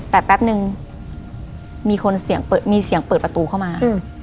แต่แป๊บนึงมีคนเสียงเปิดประตูเข้ามา